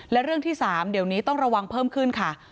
และเรื่องที่๓เดี๋ยวนี้ต้องระวังเพิ่มขึ้นค่ะ